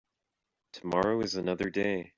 Tomorrow is another day.